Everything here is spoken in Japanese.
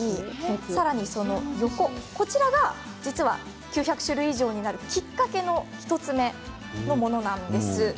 さらに、こちらが９００種類以上になったきっかけの１つ目のものです。